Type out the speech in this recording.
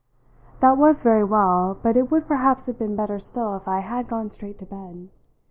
That was very well, but it would perhaps have been better still if I had gone straight to bed.